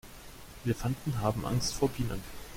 Elefanten haben Angst vor Bienen.